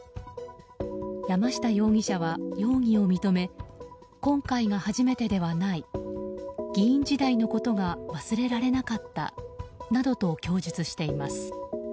山下容疑者は容疑を認め今回が初めてではない議員時代のことが忘れられなかったなどと供述しています。